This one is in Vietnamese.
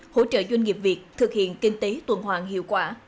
hỗ trợ doanh nghiệp việt thực hiện kinh tế tuần hoàng hiệu quả